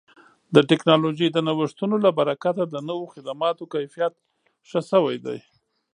د ټکنالوژۍ د نوښتونو له برکته د نوو خدماتو کیفیت ښه شوی دی.